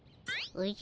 おじゃ？